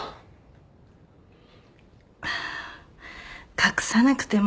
ああ隠さなくても。